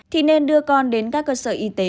thì nên đưa con đến các cơ sở y tế